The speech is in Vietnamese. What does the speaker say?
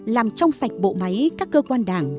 làm trong sạch bộ máy các cơ quan đảng